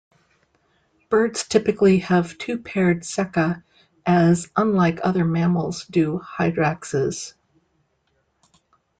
Birds typically have two paired ceca, as, unlike other mammals, do hyraxes.